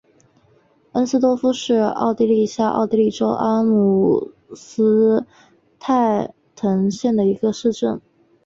恩斯多夫是奥地利下奥地利州阿姆施泰滕县的一个市镇。